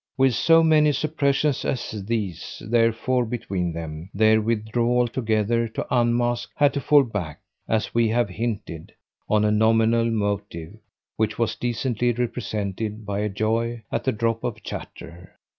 With so many suppressions as these, therefore, between them, their withdrawal together to unmask had to fall back, as we have hinted, on a nominal motive which was decently represented by a joy at the drop of chatter.